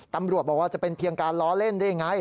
ตำรวจบอกว่าจะเป็นเพียงการล้อเล่นได้ไง